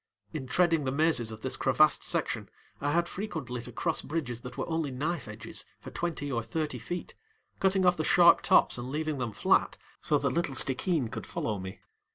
In treading the mazes of this crevassed section I had frequently to cross bridges that were only knife edges for twenty or thirty feet, cutting off the sharp tops and leaving them flat so that little Stickeen could follow me.